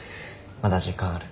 まだ時間ある。